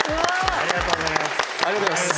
ありがとうございます。